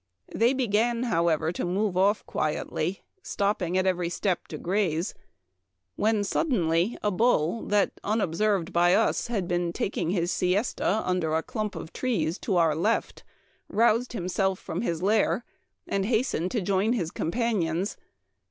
They began, however, to move off quietly, stopping at every step to graze ; when suddenly a bull that, unobserved by us, had been taking his siesta under a clump of trees to our left, roused himself from his lair and hastened to join his companions.